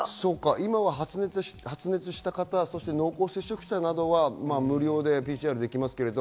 今、発熱した方、濃厚接触者などは無料でＰＣＲできますけど。